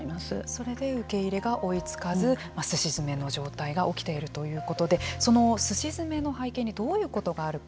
それで受け入れが追いつかずすし詰めの状態が起きているということでそのすし詰めの背景にどういうことがあるか。